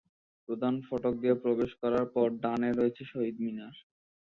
প্রধান ফটক দিয়ে প্রবেশ করার পর ডানে রয়েছে শহীদ মিনার।